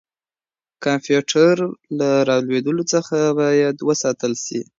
کمپيوټر له رالوېدلو څخه بايد وساتل سي.